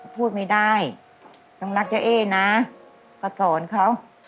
พูดไม่ได้จังรักเจ๊เอ้นนะก็สอนเขา